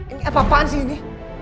ini apa apaan sih ini